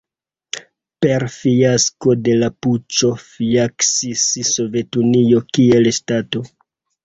Per fiasko de la puĉo fiaskis Sovetunio kiel ŝtato.